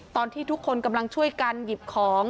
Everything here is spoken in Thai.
ตอนที่ทุกคนกำลังช่วยกันหยิบของ